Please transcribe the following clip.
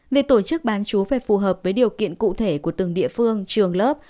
việc tổ chức bán chú phải phù hợp với điều kiện cụ thể của từng địa phương trường lớp